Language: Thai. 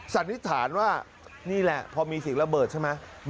สันนิษฐานว่านี่แหละพอมีเสียงระเบิดใช่ไหม